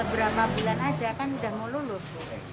berapa bulan saja kan sudah mau lulus